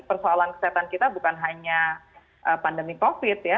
persoalan kesehatan kita bukan hanya pandemi covid ya